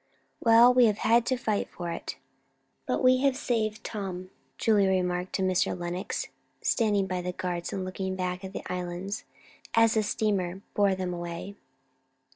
"Well, we have had to fight for it, but we have saved Tom," Julia remarked to Mr. Lenox, standing by the guards and looking back at the Islands as the steamer bore them away.